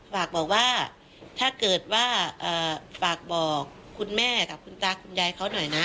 ฝากบอกว่าถ้าเกิดว่าฝากบอกคุณแม่กับคุณตาคุณยายเขาหน่อยนะ